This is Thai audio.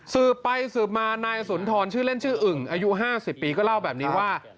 สืบไปสืบมานายสุนทรชื่อเล่นชื่ออึ่งอายุ๕๐ปีก็เล่าแบบนี้ว่า